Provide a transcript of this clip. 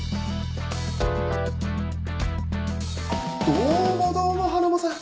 どうもどうもハナモさん